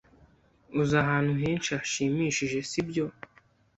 Uzi ahantu henshi hashimishije, sibyo?